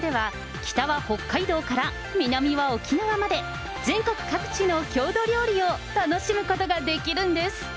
ここでは、北は北海道から南は沖縄まで、全国各地の郷土料理を楽しむことができるんです。